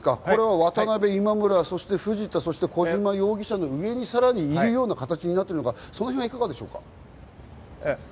渡辺、今村、そして藤田、小島容疑者の上にさらにいるような形になっているのか、いかがでしょうか。